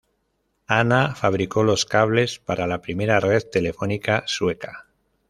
Hanna fabricó los cables para la primera red telefónica sueca.